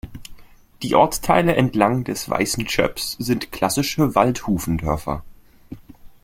Die Ortsteile entlang des Weißen Schöps sind klassische Waldhufendörfer.